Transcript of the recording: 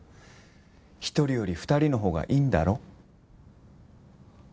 １人より２人の方がいいんだろ？